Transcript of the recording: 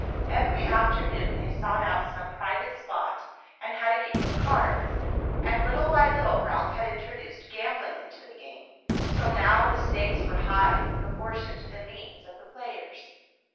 Every afternoon they sought out some private spot and had a game of cards, and little by little Ralph had introduced gambling into the game, till now the stakes were high in proportion to the means of the players.